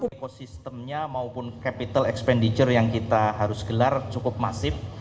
ekosistemnya maupun capital expenditure yang kita harus gelar cukup masif